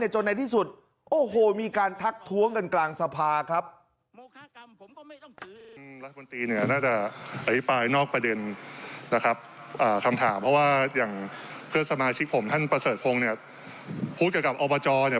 จนในที่สุดโอ้โหมีการทักท้วงกันกลางสภาครับ